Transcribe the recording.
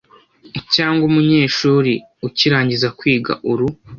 cyangwa umunyeshuri ukirangiza kwiga Uru